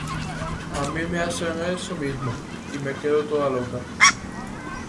A mí me hacen eso mismo y me quedo toda loca.